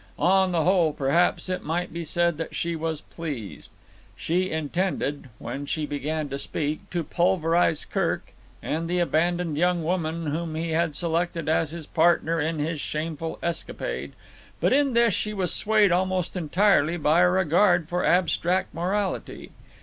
On the whole, perhaps, it might be said that she was pleased. She intended, when she began to speak, to pulverize Kirk and the abandoned young woman whom he had selected as his partner in his shameful escapade, but in this she was swayed almost entirely by a regard for abstract morality.